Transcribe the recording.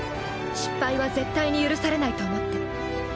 失敗は絶対に許されないと思って。